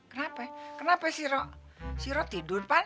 kenapa kenapa siro tidur pan